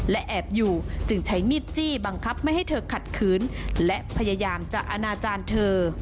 และแอบอยู่จึงใช้มีดจี้บังคับไม่ให้เธอขัดขืนและพยายามจะอนาจารย์เธอ